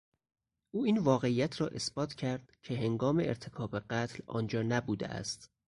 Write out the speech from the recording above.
او این واقعیت را اثبات کرد که هنگام ارتکاب قتل آنجا نبوده است.